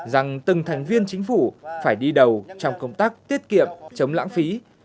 rằng từng thành viên chính phủ phải đi đầu trong công tác tiết kiệm chống lãng phí